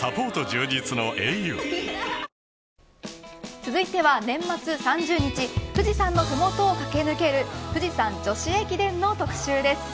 続いては年末３０日富士山の麓を駆け抜ける富士山女子駅伝の特集です。